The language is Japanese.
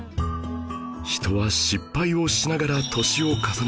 人は失敗をしながら年を重ねていきます